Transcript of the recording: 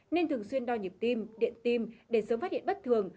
nên thường xuyên đo nhịp tim điện tim để sớm phát hiện bất thường